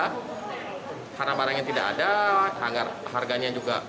karena barangnya tidak ada harganya juga